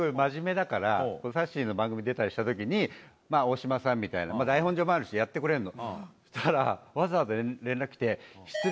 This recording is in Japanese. さっしーの番組出たりしたときに「大島さん」みたいな台本上もあるしやってくれるのそしたらわざわざ連絡きて。